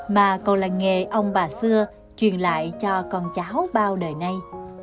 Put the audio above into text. mà còn là nghề ông bà xưa truyền lại cho con cháu bao đời nay